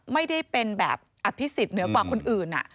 ไม่ได้เป็นแบบอภิษฎเหนือกว่าคนอื่น